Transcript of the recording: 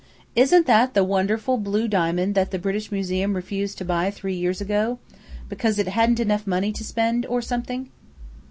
"Isn't that the wonderful blue diamond that the British Museum refused to buy three years ago, because it hadn't enough money to spend, or something?"